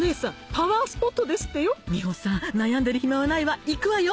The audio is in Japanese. パワースポットですってよ美穂さん悩んでる暇はないわ行くわよ！